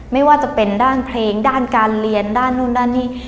ไม่ว่าจะเป็นด้านเพลงด้านการเรียนด้านนู่นด้านนี่